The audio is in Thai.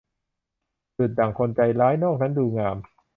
ดุจดังคนใจร้าย นอกนั้นดูงาม